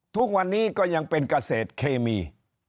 ทุกวันนี้ก็ยังเป็นกระเศษเคมี